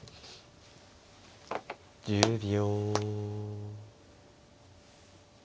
１０秒。